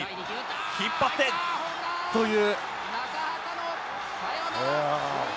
引っ張ってという。